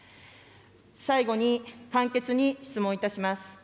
最後に簡潔に質問いたします。